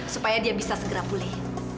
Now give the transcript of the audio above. supaya dia bisa segera pulih